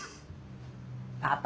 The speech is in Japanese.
パパ？